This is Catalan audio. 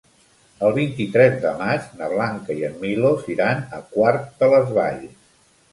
El vint-i-tres de maig na Blanca i en Milos iran a Quart de les Valls.